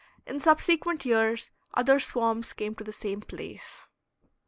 In subsequent years other swarms came to the same place.